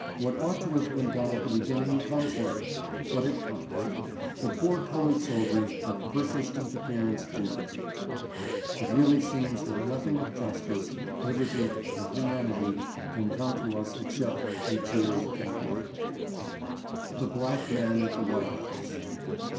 What ought to have been done at the beginning comes late, but it comes. The poor colored soldiers have purchased interference dearly. INTERVIEW WITH PRESIDENT LINCOLN. 421 It really seems that nothing of justice, liberty, or humanity can come to us except through tears and blood." THE BLACK MAN AT THE WHITE HOUSE.